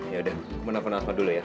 ya udah aku mau telepon asma dulu ya